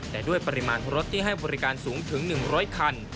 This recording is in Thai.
แต่ด้วยปริมาณรถที่ให้บริการสูงถึง๑๐๐คัน